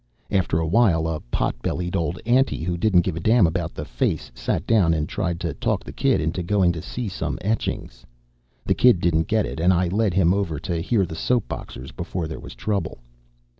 After a while, a pot bellied old auntie who didn't give a damn about the face sat down and tried to talk the kid into going to see some etchings. The kid didn't get it and I led him over to hear the soap boxers before there was trouble.